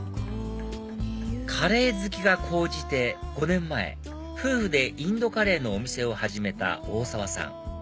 カレー好きが高じて５年前夫婦でインドカレーのお店を始めた大澤さん